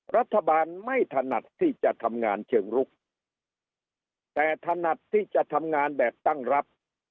รัฐบาลไม่ถนัดที่จะทำงานเชิงลุกแต่ถนัดที่จะทำงานแบบตั้งรับ